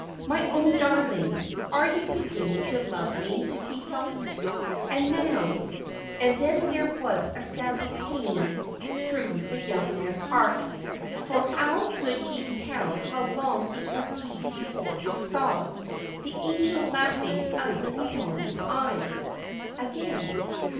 "My own darling, you are beginning to love me," he thought; "and now " and then there was a stab of pain through the young man's heart, for how could he tell how long it would be before he saw "the angel laughing out of Mollie's eyes" again?